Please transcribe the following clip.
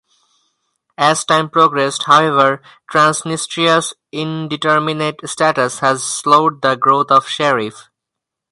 As time progressed, however, Transnistria's indeterminate status has slowed the growth of Sheriff.